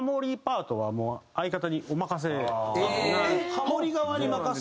ハモリ側にお任せ？